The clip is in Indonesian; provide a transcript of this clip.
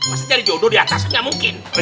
masa jadi jodoh di atas ga mungkin